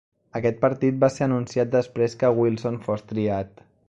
Aquest partit va ser anunciat després que Wilson fos triat.